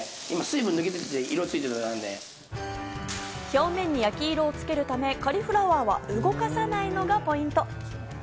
表面に焼き色をつけるためカリフラワーは動かさないのがポイント。